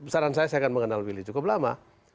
saran saya saya akan mengenal willy cukup lama